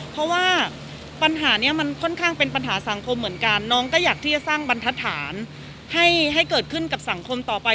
เพราะว่าปัญหานี้มันค่อนข้างเป็นปัญหาสังคมเหมือนกันน้องก็อยากที่จะสร้างบรรทัศน์ให้เกิดขึ้นกับสังคมต่อไป